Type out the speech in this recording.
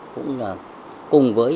cũng là cùng với